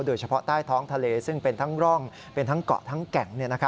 โดยเฉพาะใต้ท้องทะเลซึ่งเป็นทั้งร่องเป็นทั้งเกาะทั้งแก่ง